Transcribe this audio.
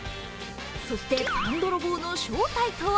そして、パンどろぼうの正体とは？